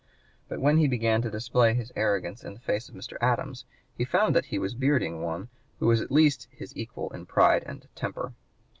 But when he began to display his arrogance in the face of Mr. Adams he found that he was bearding one who was at least his equal in pride and temper.